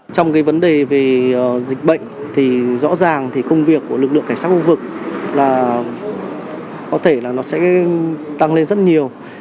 trong cái vấn đề về dịch bệnh thì rõ ràng thì công việc của lực lượng cảnh sát khu vực là có thể là nó sẽ tăng lên rất nhiều